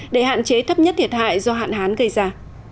để hạn chế thấp nhất thiệt hại do hạn hán gây ra